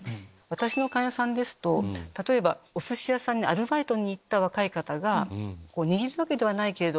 私の患者さんですとおすし屋さんにアルバイトに行った若い方がにぎるわけではないけれども。